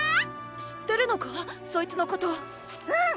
知ってるのかそいつのこと⁉うん！